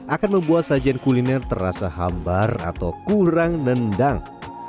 akan membuat sajian kuliner terasa hambar atau kurang nendang